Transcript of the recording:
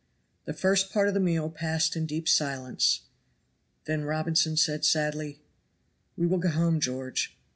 The first part of the meal passed in deep silence. Then Robinson said sadly: "We will go home, George.